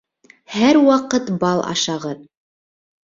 Һәр ваҡыт бал ашағыҙ!